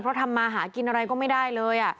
เพราะทำมาหากินอะไรก็ไม่ได้เลย